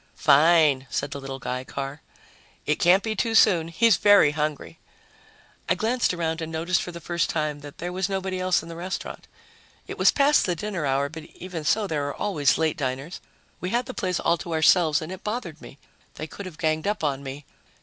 "Fine," said the little guy, Carr. "It can't be too soon. He's very hungry." I glanced around and noticed for the first time that there was nobody else in the restaurant. It was past the dinner hour, but, even so, there are always late diners. We had the place all to ourselves and it bothered me. They could have ganged up on me....